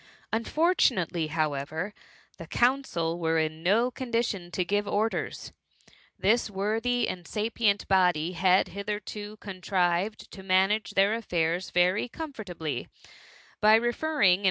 Unfortunately, however, the Council were in no condition to give orders. This worthy and sapient body had hitherto contrived to manage their affairs very comfortably, by referring in 18 THE MXTMICV.